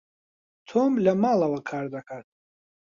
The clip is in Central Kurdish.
تۆم لە ماڵەوە کار دەکات.